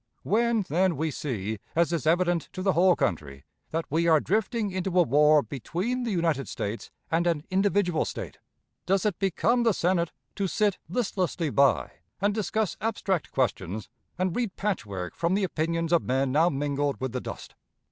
When, then, we see, as is evident to the whole country, that we are drifting into a war between the United States and an individual State, does it become the Senate to sit listlessly by and discuss abstract questions, and read patchwork from the opinions of men now mingled with the dust?